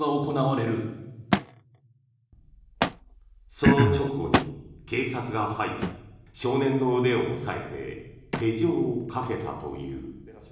その直後に警察が入り少年の腕を押さえて手錠をかけたという。